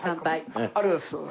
ありがとうございます。